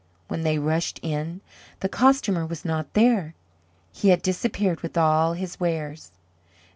When they rushed in the Costumer was not there; he had disappeared with all his wares.